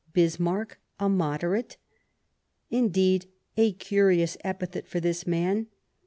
Bismarck a Moderate ! Indeed a curious epithet for this man.